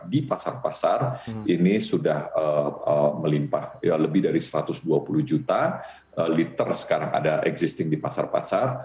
di pasar pasar ini sudah melimpah lebih dari satu ratus dua puluh juta liter sekarang ada existing di pasar pasar